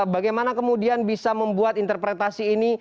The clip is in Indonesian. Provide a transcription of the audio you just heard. bagaimana kemudian bisa membuat interpretasi ini